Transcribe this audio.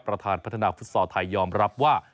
ประธานพัฒนาฟุตซอลไทยยอมรับว่า